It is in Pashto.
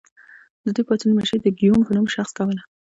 د دې پاڅونونو مشري د ګیوم په نوم شخص کوله.